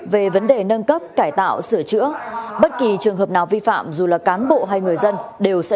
về vấn đề nâng cấp cải tạo sửa chữa bất kỳ trường hợp nào vi phạm dù là cán bộ hay người dân đều sẽ bị xử lý nghiêm